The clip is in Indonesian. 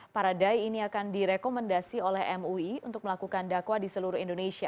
para dai ini akan direkomendasi oleh mui untuk melakukan dakwah di seluruh indonesia